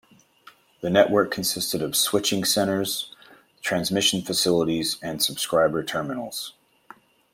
The network consisted of switching centres, transmission facilities and subscriber terminals.